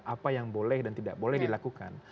apa yang boleh dan tidak boleh dilakukan